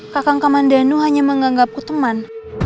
kakang komandanu hanya menganggapku teman